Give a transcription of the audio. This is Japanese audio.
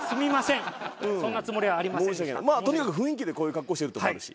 とにかく雰囲気でこういう格好してるところもあるし。